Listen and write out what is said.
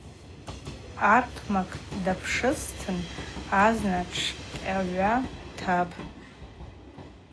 Артмакъ дтапшызтын – азна тшкъьгӏва тапӏ.